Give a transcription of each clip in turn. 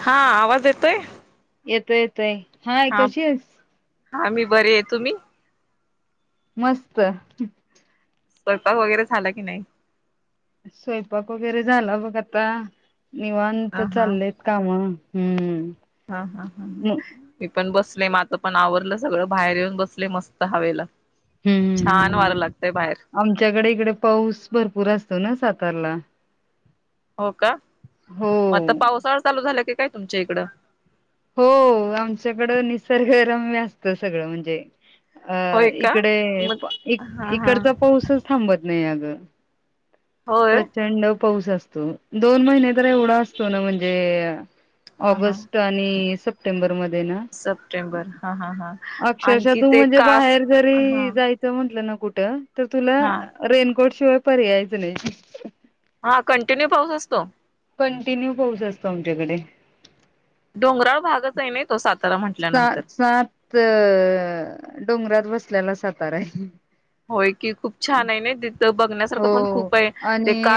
हा आवाज येत तर येतो येतोय हाय कशी आहेस आ मी बरे आहे तुम्ही मस्त स्वयंपाक वगैरे झाला की नाही. स्वयंपाक वगैरे झाला बघ आता. निवांत हा हा चालेत काम. हम्म. हा हा हा हम्म मी पण बस नाही माझ पण आवरलं सगळं बाहेर येऊन बसले मस्त हवेला. छान हम्म वारं लागतय बाहेर ह आमच्याकडे इकडे पाऊस भरपूर असतो ना सात कला, हो का आता पावसाळ चालू झालं की काय? तुमच्या इकडं, हो आमच्याकडं निसर्ग रम्य असत सगळं म्हणजे, अ होय का इकडे मग हा हा इकडचा पाऊसच थांबत नाही अ ह, होय प्रचंड. पाऊस असतो. दोन महिने तर एवढा असतो ना म्हणजे, हा हा ऑगस्ट आणि सप्टेंबर मध्ये ना, सप्टेंबर हा हा हा अक्षरशा आणखी तु ते म्हणजे कास बाहेर हा जरी जायच म्हटलं न, कुठं? तर तुला हा रेनकोट, शिवाय पर्यायचं नाही. हा कंटिन्यू पाऊस असतो. कंटिन्यू पाऊस असतो आमच्याकडे. डोंगराळ भागच आय ना ते, सा सा सात डोंगरात बसलेला सातारा हाय. होय की, खूप छान आहे नि तिथं बघण्यासा हो आणि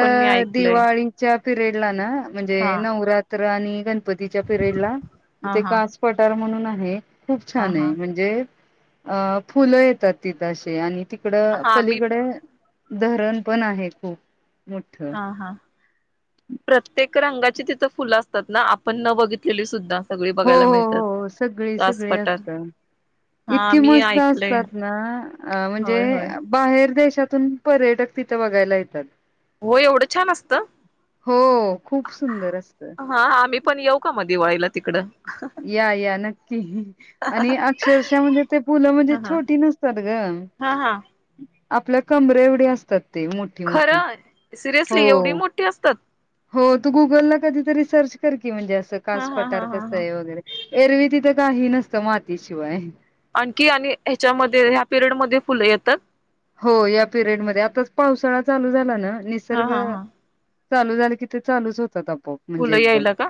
पण मी ऐकलंय दिवाळीच्या पिरेडला ना म्हणजे हा नवरात त्र आणि गण पतीच्या पिरेड ला हा इथे हा कास पटार म्हणून आ हे खूप हा छान ये हा म्हणजे अ फुलं येतात तिथं अशीे आणि तिकड हा मी पलीकडे धरण पण आहे खूप मोठ हो हा हा प्रत्येक रंगाची ति त फुलं असतात ना, आपण न बघितलेली सुद्धा सगळी हो बघायला हो मिळतात हो हो सगळी कास सगळी पठार असत हा इतकी मी मस्त ऐकलंय असतात ना अ म्हणजे होय होय बाहेर देश त्यातून पर्यटक तिथं बघायला येतात. हो एवढं छान असत? हो खूप सुंदर असतं हा आम्ही पण येऊ का म दिवाळीला तिकडं या या नक्की आणि अक्षरशः म्हणजे ते फुलं ह म्हणजे ह छोटी नसतात ग हा हा आपल्या कंबरे एवढी असतात. ते मोठी मोठी खरं हो सिरियसली एवढी मोठी असतात? हो तू गुगलला कधीतरी सर्च कर की म्हणजे असं ह कास ह पटार ह ह कसंय वगैरे एरवी तिथं काही नसतं माती शिवाय आणखी आणि ह्यच्यामध्ये ह्या पिरियड मध्ये फुलं येतात? हो या पिरियडमध्ये आताच पावसाळा चालू झाला ना हा निसर्ग हा हा चालू झालं की ते चालूच होत आव पोप म्हणजे फुलं एकदम यायला का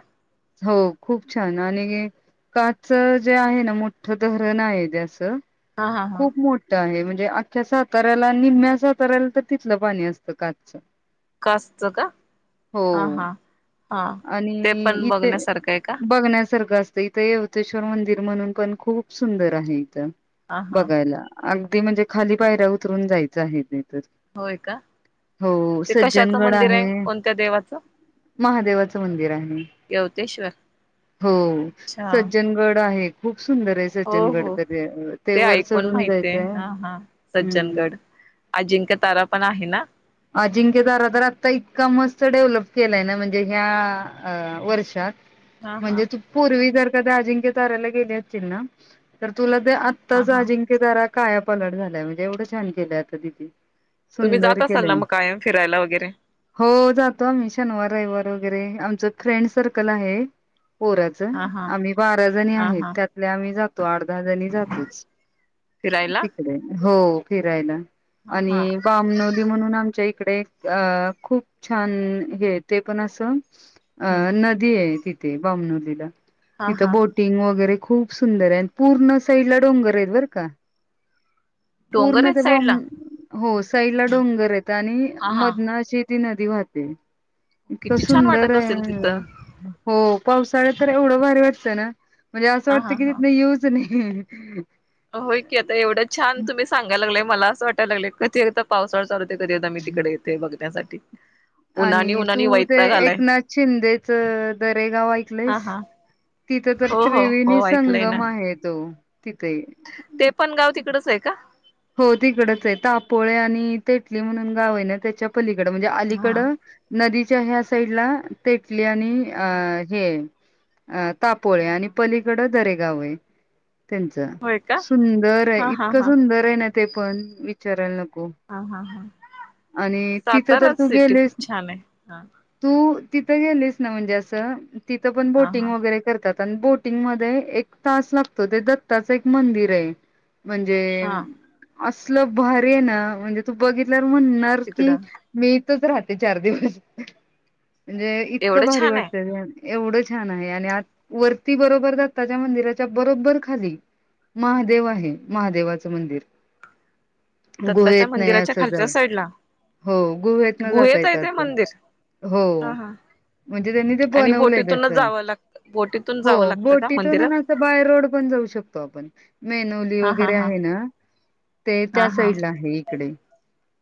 हो खूप छान आणि काच जे आहे ना मोठं धरण आहे. जे असं हा हा हा खूप मोठं आहे म्हण जे आख्या सात ऱ्याला निम्म्या साताऱ्याला तर तिथलं पाणी असतं कासचं कास च का आ हा हा ते आणि पण इथे बघण्यासारखं आहे का बघण्यासारखं अस इथं यवतेश्वर मंदिर म्हणून पण खूप सुंदर आहे इथं हा हा बघायला अन ते म्हणजे खाली पायऱ्या उतरून जायचं आहे ते तर. होय का? हो ते कशाचं सज्जनगड मंदिर आहे कोणत्या देवाचं? महादेवा मंदिर आहे. यवतेश्वर हो अच्छा सज्जनगड आहे. खूप सुंदर आहे हो सज्जनगड हो तर ते वर ऐकून चढून माहित आहे. जायचंय. हा हा हम्म सज्जनगड अजिंक्य तारा पण आहे ना अजिंक्यतारा तर आता इतका मस्त डेव्हलप केलाय ना म्हणजे ह्या वर्षात हा हा म्हणजे तू पूर्वी जर अजिंक्यताराला गेले असशील ना तर तुला ते आत्ता हा हा अजिंक्यतारा काया पालट झालाय म्हणजे एवढं छान केलंय आता तिथे. तुम्ही सुंदर जात असाल ना केलंय मग कायम फिरायला वगैरे हो जातो आम्ही शनवार रयवार. वगैरे, आमचं फ्रेंड सर्कल आहे. पोराच, हा हा आम्ही बारा जणी हा आहेत. हा त्यातल्या आम्ही जात. तो आठ दहा जणी जातोच. फिरायला तिकडे हो फिरायला. हा हा आणि बामनोन आमच्या इकडे अ खूप छान हे ते पण असं अ हम्म नदी आहे तित ते बमनुलीला हा तिथं हा बोटिंग वगैरे खूप सुंदर आहे आणि पूर्ण साईड ला डोंगर आहेत बरं का. डोंगर पूर्ण आहेत तेव्हा साईड ला हो साईडला डोंगर हाईत आणि हा हा मदन अशी ती नदी वाहते. इतकं किती छान सुंदर वाटत असेल आहे. तिथं. हो पावसाळ्यात तर एवढं भारी वाटतं ना म्हणजे असं वाटतं कि तिथंन येऊच नये. [unintelligible] हो की आता एवढं छान तुम्ही सांगायला लागलाय मला असं वाटायलागलय कधी एकदा पावसाळा चालू ते कधी एकदा मी तिकडे इथे बघण्यासाठी ते. आणि तू ते एकनाथ शिंदेच दरेगाव हा ऐकलस? हा. तिथं तर हो हो त्रिवेणी हो ऐकलंय ना संगम आहे त हो. ते पण गाव तिकडच आहे का? हो तिकडच आहे तापोळे आणि तेटली म्हणून गाव आहे ना त्याच्या पलीकड म्हणजे अलीकड हा. नदी त्या हा साईडला ते कले आणि अ हे अ. तापोळे आणि पलीकडं दरेक जावेय त्यांच होय का सुंदर आहे हा हा इतकं हा. सुंदर ते पण विचारायला न हा हा हा. आणि तिथ तर सातारा तू सिटी खूप गेलेस छान आहे. हा तू तिथं गेलेच ना म्हणजे असं तिथं पण हा बोटिंग हा. वगैरे करतात बोटिंग मध्ये एक तास लागतो ते दत्ताचं एक मंदिर आहे म्हणजे हा असलं भर ना म्हणजे तू बघितलं नरकी तिकडं मी च राहते चार दिवस म्हणजे इतकं एवढं भारी छान आहे. वाटतं एवढं छान आहे आणि आ वरती बरोबर दत्ताच्या मंदिराच्या बरोबर खाली महादेव आहे महादेवाचा मंदिर गुहेत दत्ताच्या नाही मंदिराच्या अस ज खालच्या साईडला हो गुहेत ना जात येत आहे ते अस मंदिर. हो हा हा. म्हणजे त्यांनी ते आणि बनवलंयस बोटीतूनच जावं लागत बोटीतून हो जावं लागतं का बोटीतून मंदिरात बाय रोड पण जाऊ शकतो आपण मेनवली हा हा वगैरे हा आहे ना ते हा त्या हा साईडला आहे इकडे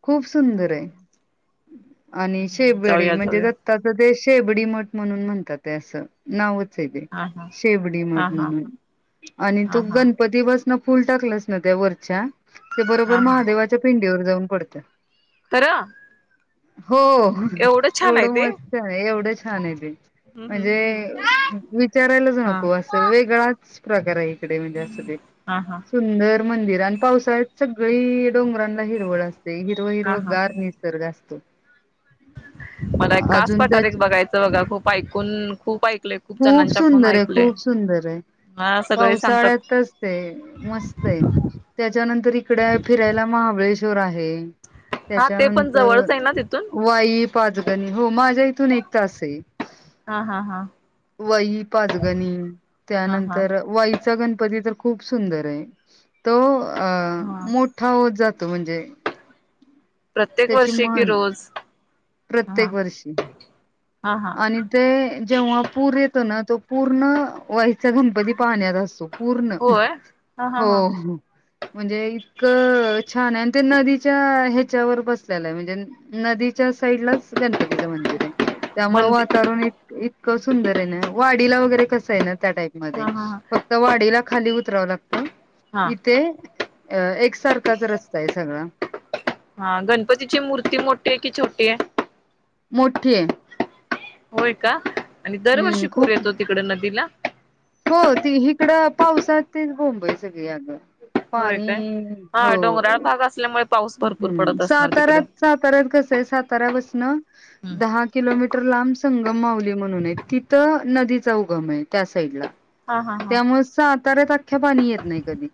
खूप हा सुंदर हा आहे ह आणि शेववेडी जाऊया म्हणजे जाऊया दत्ताचा देश बडीमट म्हणून म्हणतात अस ना हा हा शेवडी हा मठ हा म्हणून आणि हा तो हा गणपती बस फुल टाकलंच न त्यावरर अच्छा ते बरोबर हा महादेवाच्या पिंडी व जाऊन पडतं तरं हो एवढं मस्त आहे एवढंच छान नाही हम् हम् म्हणजे हम् हम् विचारायलाच हा नको असं वेगळाच प्रकार आहे म हा हा सगळी डोंगरांना हिरवळ असते हिरव हा हिरव हा गार निसर्ग असतो मला एक कास अजून पटारे त्याच एक बघायचं बघा खूप ऐकून खूप ऐक खूप सुंदर आहे खूप सुंदर आहे हा सगळे सांगतात पावसाळ्यातच मस्त आहे त्याच्यानंतर इकडे फिरायला महाबळेश् श्वर आहे. हा ते पण त्याच्यानंतर जवळच आहे ना तिथून वाई पाचगणी हो माझ्या इथून एक तास आहे हा हा हा वाई पाजगणी हा हा त्यानंतर वाई चा गणपती तर खूप सुंदर आहे तो अ हा मोठा होत जात तो म्हणजे प्रत्येक त्याची वर्षी की म्हण रोज. प्रत्येक हा वर्षी हा हा आणि ते जेव्हा पूर येतो ना तो पूर्ण वईचा गणपती पाहण्यात असतो पूर्ण होय हा हा हो हा म्हणजे इतकं छान आहे आणि ते नदीच्या ह्याच्यावर बसलेला आहे म्हणजे नदीच्या साईडलाच गणपतीचं मंदिर आहे. त्यामुळे मंदिर वातावरण इ इतकं सुंदर आहे ना वाडीला वगैरे कसं [unintelligible] ना त्या टाईप हा मध्ये हा हा फक्त वाडीला खाली ला [unintelligible] हा इथे अ एकसारखाच रस्ता आहे सगळा हा गणपतीची मूर्ती मोठी आहे कि छोटी आहे मोठीये होय का आणि दरवर्षी पूर खूप येतो तिकड नदीला हो ती हिकडं पावसात ते बोंब सगळी आग होय काय हा डोंगराळ भाग असल्यामुळे पाऊस भरपूर हम्म पडत असणार तिकड साताऱ्यात साताऱ्यात कसंय साताऱ्या पासन बसणं हा दहा किलोमीटर लांब संगम माउली म्हणून आहे तिथं नदीचा उगम आहे त्या साईड ला हा हा त्यामुळे सा त [unintelligible] अ्ख्या पाणी येत नाही कधी,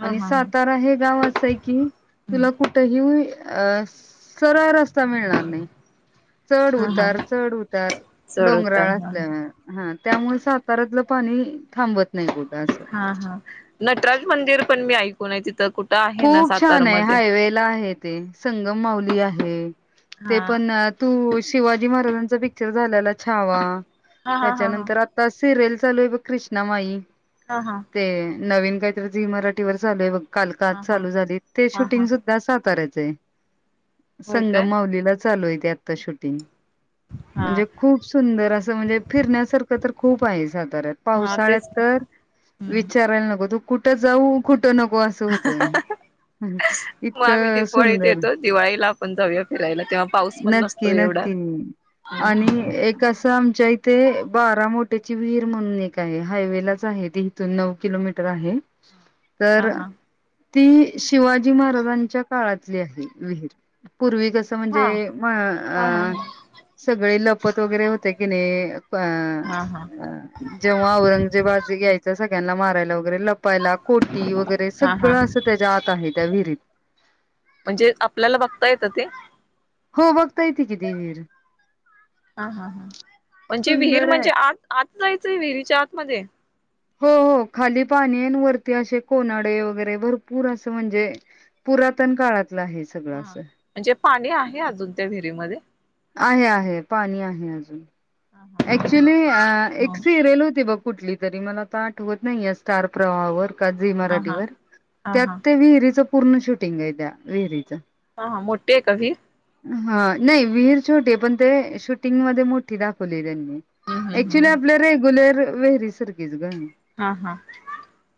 हा आणि हा सातारा हे गावा. सयकी [unintelligible] हा तुला कुठेही. [unintelligible] अ सरळ रस्ता मिळणार नाही. चढ हा हा उतार चढ उतार चढ उतार डोंगराळ हा असल्यावर हा. त्यामुळे साताऱ्यातलं पाणी. थांबत नाही. बोल. हा हा नटराज मंदिर. ण मी ऐकय तिथं. आहे ना खूप छान आहे सातारमध्ये हायवे ला आहेत. ते संगम माउली आहे. ते हा पण तू शिवाजी महाराजां. ् झा [unintelligible] छावा हा हा हा हा त्याच्यानंतर आता सिरिल. चालो इ कृसना माई. हा हा. नवीन काहीतरी, झी मराठीवर झालय बघ, काल का हा हा चालू झाली, ते हा हा शूटिंग सुद्धा साताऱ्यात. ते. [unintelligible] होय संग काय मावलीला. चालू आहे ते आता शूटिंग. हा म्हणजे खूप सुंदर असं, म्हणजे फिरण्यासारखं तर. खूप आहे जात. हा पावसाळ्यात तेच की तर हम्म विचारायला नको तू. कुठं जाऊ कुठ. नकोवास. मग आम्ही इतक दिपावळीत सुंदर येतो दिवाळीला आपण जाऊया फिरायला तेव्हा पाऊस पण नसतो नक्की एवढा. नक्की, हा हा आणि एक असं आमच्या इथे बाराम ्याची विहीर म्हणून एक आहे, हायवे लाच आहे त इथून नऊ किलोमीटर आहे. तर. हा ती शिवाजी महाराजांच्या काळातली आहे विहीर. पूर्वी कसं हा म्हणजे, मळा हा अ आ सगळे लप मोपत वगैरे होते की नाही. हा हा अ जेव्हा औरंगजेबाजे घ्यायचं सग. त्यांना मारयला लावतो लपायला कोटी वगैरे सग हा हा सगळं असं त्याच्या आत आहे त्या विहिरीत म्हणजे आपल्याला बघता येतं ते हो बघता येते किती वर हा हा हा म्हणजे विहीर सुंदर आहे. म्हणजे आ आत जायचं विहिरीच्या आतमध्येध्ये हो हो खाली पाणी आहे वरती असे कोन्हाळे वगैरे भरपूर असं म्हणजे पुरातन काळात हा म्हणजे पाणी आहे अजून त्या विहिरीमध्ये आहे आहे पाणी आहे अजून हा क्च्युली हा एक सिरीयल होती बघ कुठली तरी मला तर आठवत नाही या स्टार प्रवाहावर हा हा मराठीवर हा हा त्यात विहिरीच पूर्ण शूटिंग आहे त्या विहिरीच हा हा मोठे आहे का विहीर हा नाही विहीर छोटी पण ते शूटिंगमध्येध्ये मोठी दाखवली त्यांनी हम्म हम्म हम्म क्च्युली हम्म आपल्या रेग्युलर विहिरीसारखीच ग हा हा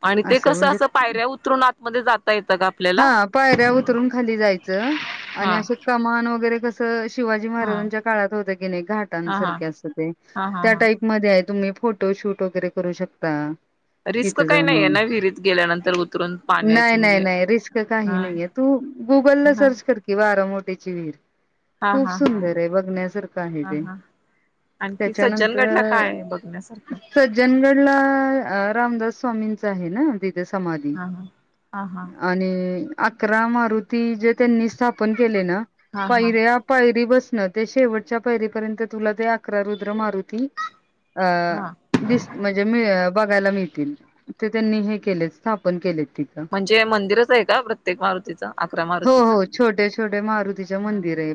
आणि ते असं कस म्हणजे अस पायऱ्या उतरून आतमध्ये जाता येतं का आपल्याला? हा पायऱ्या उतरून खाली जायचं आणि हा अस कमान वगैरे कसं शिवाजी हा हा महाराजांच्या काळात होत की नाही हा घाटांसारखे हा अस ते हा त्या हा टाईप म आहे तुम्ही फोटोशूट वगैरे करू शकता रिस्क तिथे काही नाहीये जाऊन ना विहिरीत गेल्यानंतर उतरून पाण्याचे नाही नाही म्हणजे नाही रिस्क काही हा नाहीये तू गुगलला हा सर्च कर किंवा खरा मोठीची वीर हा खूप हा हा सुंदर आहे बघण्यासारखं आहे हा ते हा आणखी सज्जनगडला त्याच्यानंतर काय आहे बघण्यासारखं सज्जनगडला अ रामदास स्वामींचा आहे ना तिथे समाधी हा हा हा हा. आणि अकरा मारुती जे त्यांनी स्थापन केले ना हा हा पायऱ्या पायरी बस ते शेवटच्या पहिरीपर्यंत तुला ते अकरा रुद्र मारुती अ हा दिस म्हणजे मी बघायला मिळतील ते त्यांनी हे केलेत स्थापन केलेत तिथं म्हणजे मंदि खरंच आहे का प्रत्येक मारुतीचा हो हो छोटे छोटे मारुतीचे मंदिर आहे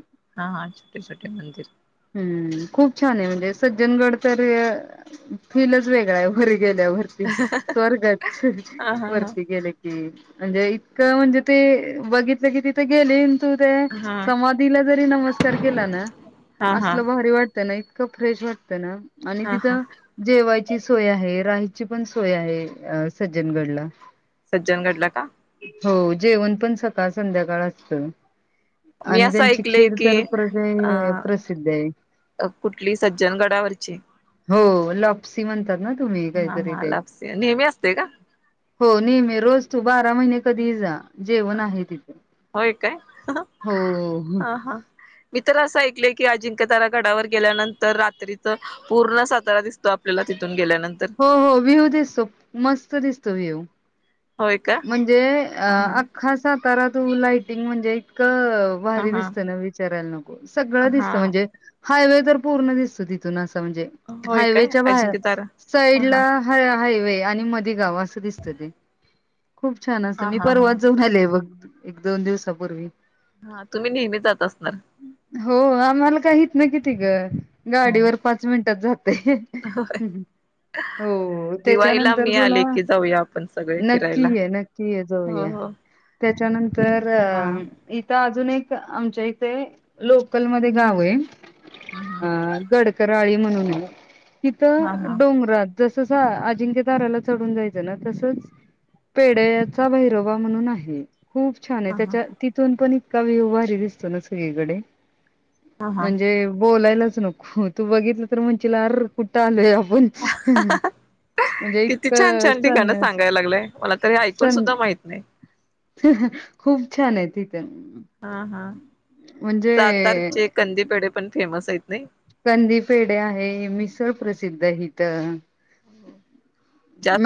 हम्म खूप छान आहे म्हणजे सज्जनगड तर अ फिलच वेगळा आहे हो खरं इथं गेल्यावरती स्वर्गच हा हा हा वरती गेल की म्हणजे ते इतकं म्हणजे ते बघितलं की तिथं गेले न तू ते हा समाधीला जरी नमस्कार केला ना हा हा असलं भारी वाटत ना इतक खूप फ्रेश वाटत ना आणि हा हा तिथं जेवायची सोय आहे रायची पण सोय आहे. अ सज्जनगडला सज्जनगडला का? हो जेवण पण सकाळ संध्याकाळ असत. मी असं ऐकलेय की प्रसिद्ध आहे अ कुठली सज्जन गडावरची हो लॉप्सी म्हणतात ना तुम्ही हा काहीतरी हा ते लाप्सी नेहमी असतय का. हो नेहमी रोज तू बारा महिने कधीही जा जेवण आहे तिथे होय काय हो हा हा मी तर असं ऐकलय की अजिंक्यतारा गडावर गेल्यानंतर रात्रीच पूर्ण सातारा दिसतो आपल्याला तिथून गेल्या न हो हो व्ह्यू दिसतो, मस्त दिसतो व्ह्यू होय का म्हणजे... अ ह आख्खा सातारा तू लाइटिंग म्हणजे क अ हा भारी ह दिसत ना विचारायला नको हा सगळं दिसत हा म्हणजे हायवे तर पूर्ण दिसतो तिथून अस. म्हणजे होय काय हायवेच्या बाहेर अजिंक्य तारा हा हा साईडला हाय हायवे ते आणि मध्ये गाव असं दिसत ते खूप छान असतं हा मी हा हा परवाच जाऊन आलेय बघ एकदोन दिवसापूर्वी हा. तुम्ही नेहमी जात असणार हो आम्हाला काय हितनं किती ग ह गाडीवर पाच मिनटात जातो [inaudible] हो दिवाळीला त्याच्यानंतर मी तुला आले की जाऊया आपण सगळे नक्की फिरायला ये नक्की ये हो जाऊया हो त्याच्यानंतर हा इथं अजून एक आमच्या इथे लोकल मध्ये गाव आहे हा हा अ गडकरी काळी म्हणूनून आहे तिथ हा हा डोंगरात जस तसं अजिंक्यदाराला चढून जायचं ना तसंच पेडयाचा भैरोबा म्हणून आहे खूप छान आहे हा त्याच्या तिथून पण विव भारी दिसतो ना सगळीकडे हा हा म्हणजे बोलायला तू बघितलं तर म्हण अर कुठं आलोय म्हणजे किती छान इतक छान ठिकाणं सांगण्यासारख सांगायला मला तरी ऐकून सुद्धा माहत नाही खूप छान आहे ति हा हा म्हणजे सातारचे कंदीपेडे पण फेमस आहेत नाही कंदीफेडे आहे मिसळ प्रसिद्ध हित हो जास्त